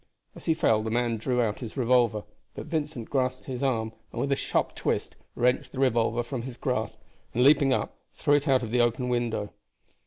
As he fell the man drew out his revolver, but Vincent grasped his arm and with a sharp twist wrenched the revolver from his grasp, and leaping up, threw it out of the open window.